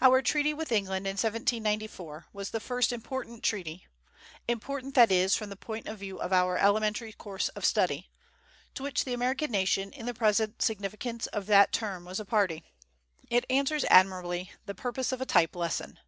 Our treaty with England in 1794 was the first important treaty (important, that is, from the point of view of our elementary course of study) to which the American nation in the present significance of that term was a party. It answers admirably the purpose of a type lesson.